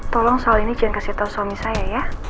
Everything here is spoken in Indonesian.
tolong soal ini jangan kasih tau suami saya ya